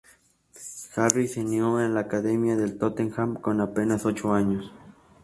Harry se unió a la Academia del Tottenham con apenas ocho años.